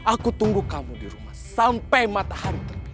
aku tunggu kamu di rumah sampai matahari